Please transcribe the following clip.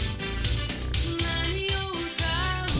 何を歌う？